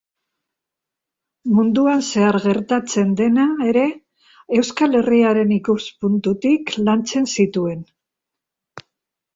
Munduan zehar gertatzen dena ere Euskal Herriaren ikuspuntutik lantzen zituen.